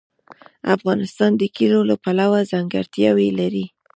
افغانستان د کلیو له پلوه ځانګړتیاوې لري.